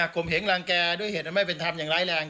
กลมเห็งรางแกด้วยเหตุไม่เป็นธรรมอย่างไร้แรง